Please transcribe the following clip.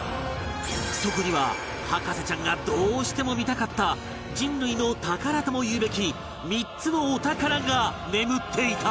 そこには博士ちゃんがどうしても見たかった人類の宝とも言うべき３つのお宝が眠っていた